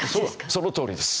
そのとおりです。